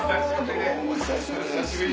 久しぶり。